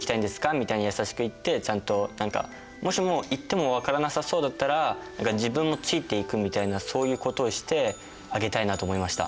みたいに優しく言ってちゃんと何かもしも言っても分からなさそうだったら自分もついていくみたいなそういうことをしてあげたいなと思いました。